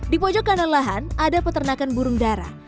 di pojok kanan lahan ada peternakan burung darah